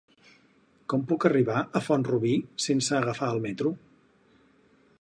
Com puc arribar a Font-rubí sense agafar el metro?